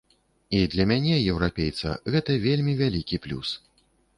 І для мяне, еўрапейца, гэта вельмі вялікі плюс.